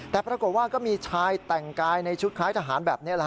แต่ปรากฏว่าก็มีชายแต่งกายในชุดคล้ายทหารแบบนี้